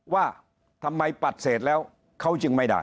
ว่าทำไมปัดเศษแล้วเขาจึงไม่ได้